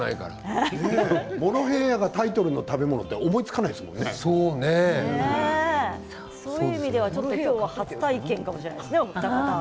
モロヘイヤがタイトルの食べ物ってそういう意味では今日はちょっと初体験かもしれません。